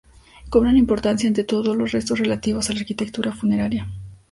Cobran importancia ante todo los restos relativos a la arquitectura funeraria.